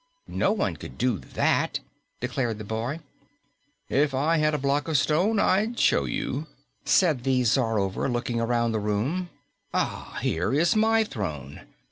"No one could do that," declared the boy. "If I had a block of stone, I'd show you," said the Czarover, looking around the room. "Ah, here is my throne.